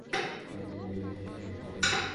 আপনি বলেন ইয়াসমিনের সাথে কথা বলি?